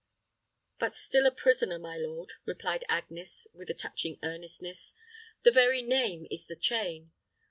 "But still a prisoner, my lord," replied Agnes, with a touching earnestness. "The very name is the chain.